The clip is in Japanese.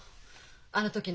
あの時の。